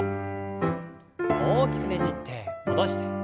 大きくねじって戻して。